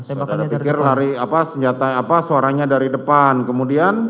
saudara pikir lari apa senjata apa suaranya dari depan kemudian